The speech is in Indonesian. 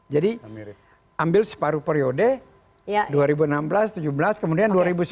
ambil separuh periode dua ribu enam belas dua ribu tujuh belas kemudian dua ribu sembilan belas